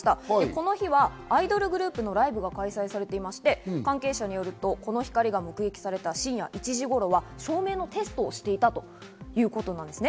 この日はアイドルグループのライブが開催されていて、関係者によると、この光が目撃された深夜１時頃は照明のテストをしていたということです。